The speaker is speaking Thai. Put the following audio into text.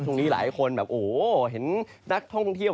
ตรงนี้หลายคนแบบโอ้โหเห็นนักท่องพังเที่ยว